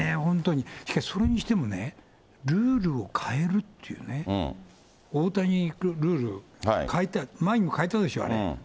しかしそれにしてもね、ルールを変えるっていうね、大谷ルール、変えた、前にも変えたでしょ、あれ。